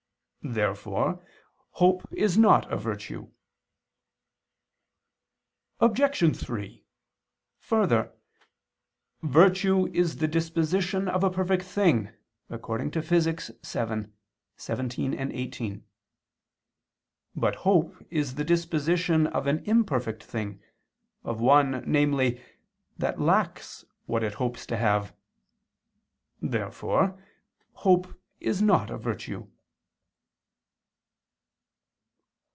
Therefore hope is not a virtue. Obj. 3: Further, "virtue is the disposition of a perfect thing" (Phys. vii, text. 17, 18). But hope is the disposition of an imperfect thing, of one, namely, that lacks what it hopes to have. Therefore hope is not a virtue.